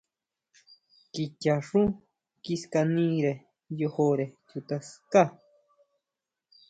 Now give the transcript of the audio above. Kichaxú kiskanire yojore chuta ská.